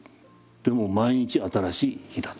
でも毎日新しい日だと。